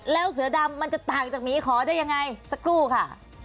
แล้วเสือดำมันจะต่างจากหมีขอได้ยังไงสักครู่ค่ะ